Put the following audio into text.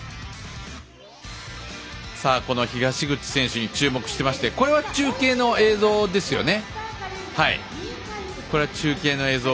東口選手に注目していましてこれは中継の映像ですね。